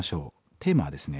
テーマはですね